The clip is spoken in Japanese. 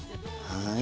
はい。